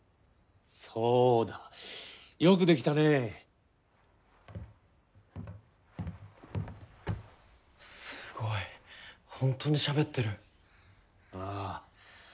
そうだよくできたねすごいホントにしゃべってるああ